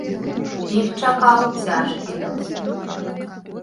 Іх чакаў цяжкі лёс.